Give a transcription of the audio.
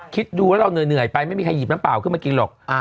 คิดดูว่าเราเหนื่อยไปไม่มีใครหยิบน้ำเปล่าขึ้นมากินหรอก